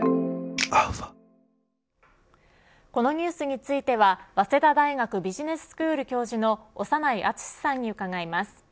このニュースについては早稲田大学ビジネススクール教授の長内厚さんに伺います。